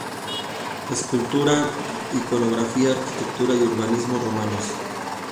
Escultura, Iconografía, Arquitectura y Urbanismo Romanos.